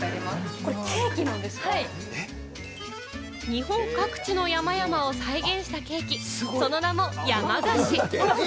日本各地の山々を再現したケーキ、その名も山菓子。